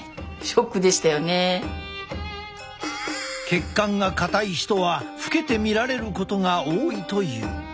血管が硬い人は老けて見られることが多いという。